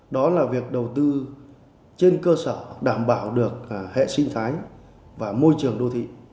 đó là việc đầu tư trên cơ sở đảm bảo được hệ sinh thái và môi trường đô thị